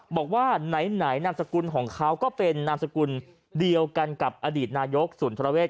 บอกว่าไหนนามสกุลของเขาก็เป็นนามสกุลเดียวกันกับอดีตนายกศูนย์ธรเวศ